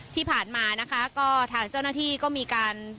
ที่ผ่านมานะคะก็ทางเจ้าหน้าที่ก็มีการ